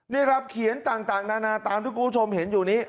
นี่ครับเขียนต่างนานาตามที่คุณผู้ชมเห็นอยู่นี้